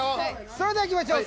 それではいきましょう。